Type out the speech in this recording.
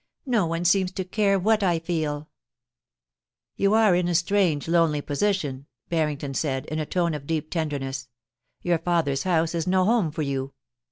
No one seems to care what I feeL' * You are in a strange, lonely position,' Barrington said, in a tone of deep tenderness. ' Your father's house is no home for you.